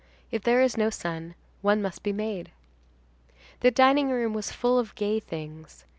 If there is no sun, one must be made. The dining room was full of gay things.